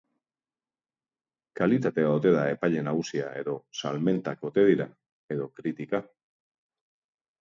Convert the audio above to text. Kalitatea ote da epaile nagusia, edo salmentak ote dira, edo kritika?